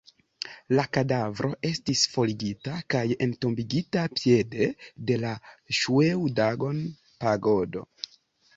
La kadavro estis forigita kaj entombigita piede de la Ŝŭedagon-pagodo.